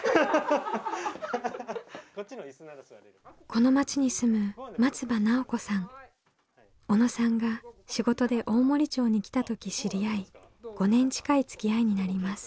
この町に住む小野さんが仕事で大森町に来た時知り合い５年近いつきあいになります。